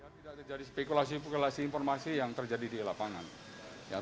tidak terjadi spekulasi spekulasi informasi yang terjadi di lapangan